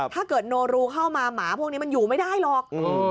โนรูเข้ามาหมาพวกนี้มันอยู่ไม่ได้หรอก